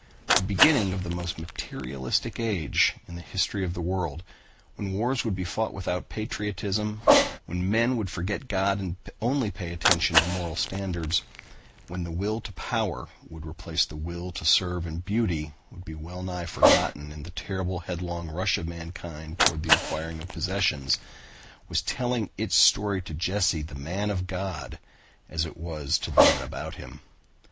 The beginning of the most materialistic age in the history of the world, when wars would be fought without patriotism, when men would forget God and only pay attention to moral standards, when the will to power would replace the will to serve and beauty would be well nigh forgotten in the terrible headlong rush of mankind toward the acquiring of possessions, was telling its story to Jesse the man of God as it was to the men about him.